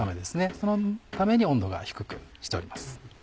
そのために温度が低くしております。